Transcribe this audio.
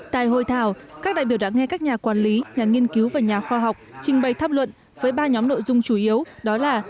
tại hội thảo các đại biểu đã nghe các nhà quản lý nhà nghiên cứu và nhà khoa học trình bày tham luận với ba nhóm nội dung chủ yếu đó là